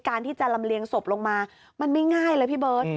ที่จะลำเลียงศพลงมามันไม่ง่ายเลยพี่เบิร์ต